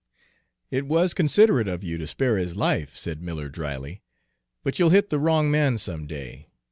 "It was considerate of you to spare his life," said Miller dryly, "but you'll hit the wrong man some day.